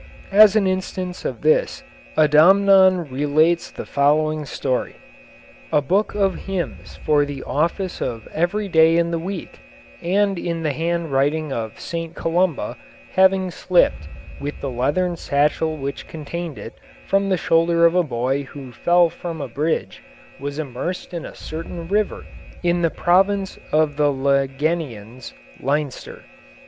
As an instance of this, Adamnan relates the following story: "A book of hymns for the office of every day in the week, and in the handwriting of St Columba, having slipt, with the leathern satchel which contained it, from the shoulder of a boy who fell from a bridge, was immersed in a certain river in the province of the Lagenians (Leinster).